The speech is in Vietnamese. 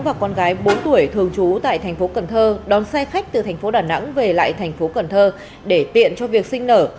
và con gái bốn tuổi thường trú tại tp cn đón xe khách từ tp đn về lại tp cn để tiện cho việc sinh nở